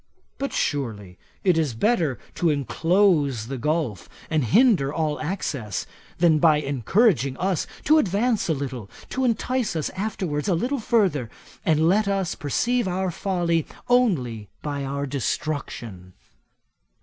But, surely, it is better to enclose the gulf, and hinder all access, than by encouraging us to advance a little, to entice us afterwards a little further, and let us perceive our folly only by our destruction.